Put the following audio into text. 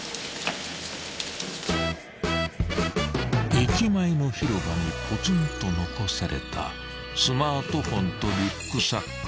［駅前の広場にポツンと残されたスマートフォンとリュックサック］